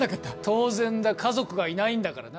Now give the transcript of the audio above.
当然だ、家族がいないんだからな。